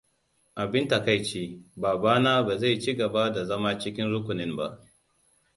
Abin takaici, babana ba zai ci gaba da zama cikin rukunin ba.